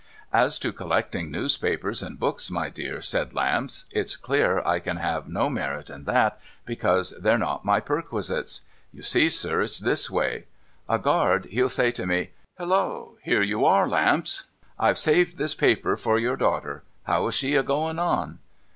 ' As to collecting newspapers and books, my dear,' said Lamps, ' it's clear I can have no merit in that, because tliey're not my perquisites. You see, sir, it's this way : A Guard, he'll say to me, " Hallo, here you are. Lamps. I've saved this paper for your daughter. How is she a going on